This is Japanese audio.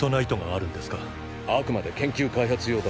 あくまで研究開発用だ。